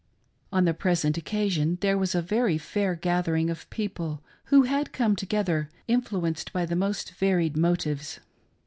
On the present occasion there was a very fair gathering of people, who had come together influenced by the mosfe varied motives.